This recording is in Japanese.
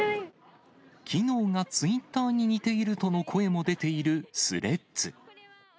機能がツイッターに似ているとの声も出ているスレッズ。